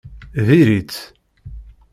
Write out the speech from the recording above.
Diri-tt!